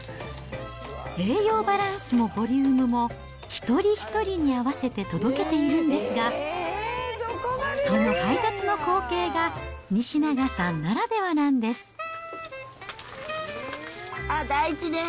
栄養バランスもボリュームも、一人一人に合わせて届けているんですが、その配達の光景が、西永さんならではなんです。